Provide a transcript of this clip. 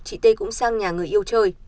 chị t cũng sang nhà người yêu chơi